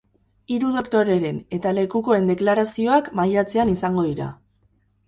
Hiru doktoreren eta lekukoen deklarazioak maiatzean izango dira.